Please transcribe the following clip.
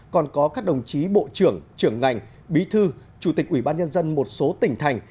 còn có các đồng chí bộ trưởng trưởng ngành bí thư chủ tịch ủy ban nhân dân một số tỉnh thành